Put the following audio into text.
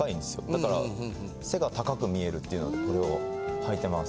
だから背が高く見えるっていうのでこれを履いてます。